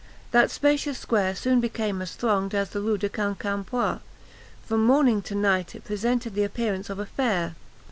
That spacious square soon became as thronged as the Rue de Quincampoix: from morning to night it presented the appearance of a fair.